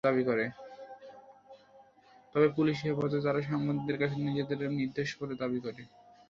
তবে পুলিশি হেফাজতে তাঁরা সাংবাদিকদের কাছে নিজেদের নির্দোষ বলে দাবি করেন।